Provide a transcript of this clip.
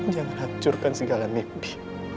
jangan hancurkan segala mimpi